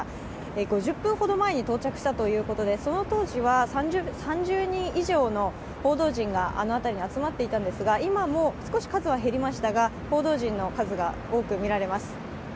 ５０分ほど前に到着したということで、その当時は３０人以上の報道陣があの辺りに集まっていたんですが、今は少し数が減りましたが、報道陣の数が多くみられます。